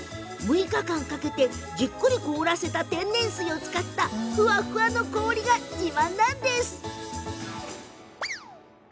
６日間かけて、じっくり凍らせた天然水を使ったふわっふわの氷が自慢だとか。